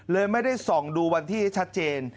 เลยไม่ได้ส่องดูวันที่ชัดเจน